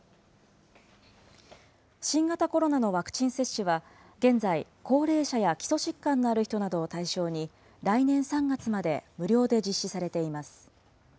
新型コロナのワクチン接種は、現在、高齢者や基礎疾患のある人などを対象に、来年３月まで無料で実施されています。